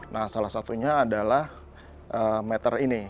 nah salah satunya adalah meter ini